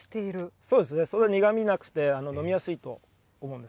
そうですね、そんな苦みがなくて飲みやすいと思います。